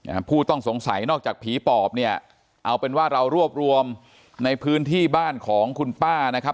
ผู้ต้องสงสัยนอกจากผีปอบเนี่ยเอาเป็นว่าเรารวบรวมในพื้นที่บ้านของคุณป้านะครับ